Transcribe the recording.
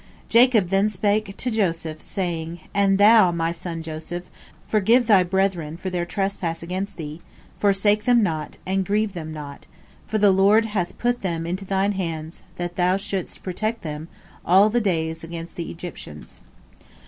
Jacob then spake to Joseph, saying: "And thou, my son Joseph, forgive thy brethren for their trespass against thee, forsake them not, and grieve them not, for the Lord hath put them into thine hands, that thou shouldst protect them all thy days against the Egyptians."